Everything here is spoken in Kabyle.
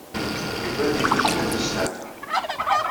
Yuba ad ynejjem ad yesteɛfa.